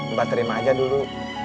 mbak terima aja dulu